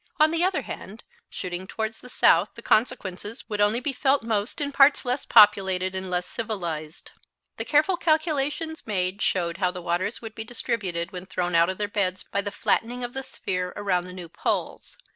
On the other hand, shooting towards the south the consequences would only be felt most in parts less populated and less civilized. The careful calculations made showed how the waters would be distributed when thrown out of their beds by the flattening of the sphere around the new poles.